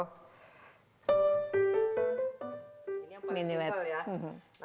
ini yang paling netral ya